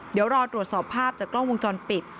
เดี๋ยวรอตรวจสอบภาพจากกล้องวงจรปิด